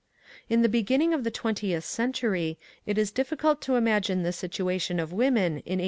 At the beginning of the twentieth century it is difficult to ^ imagine the situation of women in 18^4.